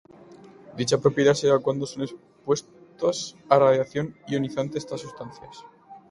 Dicha propiedad se da cuando son expuestas a radiación ionizante estas sustancias.